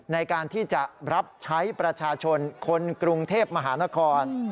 ในการที่จะรับใช้ประชาชนคนกรุงเทพมหานคร